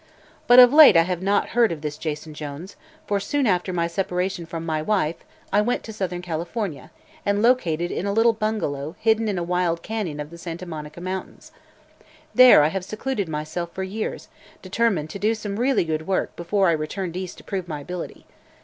But of late I have not heard of this Jason Jones, for soon after my separation from my wife I went to Southern California and located in a little bungalow hidden in a wild canyon of the Santa Monica mountains. There I have secluded myself for years, determined to do some really good work before I returned East to prove my ability.